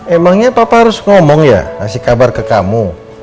emangnya papa harus ngomong ya kasih kabar ke kamu